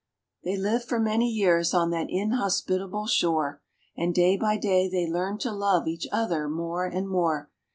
They lived for many years on that inhospitable shore, And day by day they learned to love each other more and more.